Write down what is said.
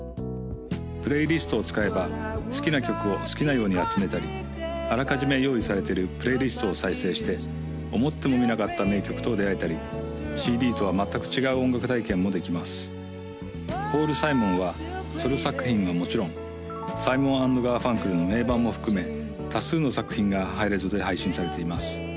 プレイリストを使えば好きな曲を好きなように集めたりあらかじめ用意されているプレイリストを再生して思ってもみなかった名曲と出会えたりＣＤとは全く違う音楽体験もできますポール・サイモンはソロ作品はもちろんサイモン＆ガーファンクルの名盤も含め多数の作品がハイレゾで配信されています